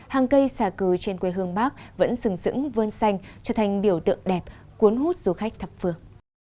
hàng cây xà cư trên quê hương bắc vẫn sừng sững vơn xanh trở thành biểu tượng đẹp cuốn hút du khách thập vườn